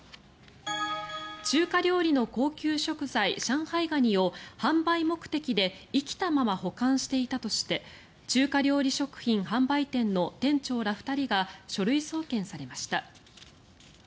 中華料理の高級食材上海ガニを販売目的で生きたまま保管していたとして中華料理食品販売店の店長ら２人が書類送検されました。